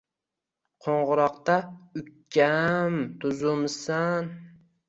Qo‘ng‘iroqda "ukkaam tuzumisan?